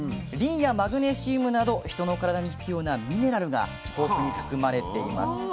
リンやマグネシウムなど人の体に必要なミネラルが豊富に含まれています。